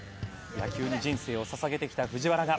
野球に人生を捧げてきた藤原が。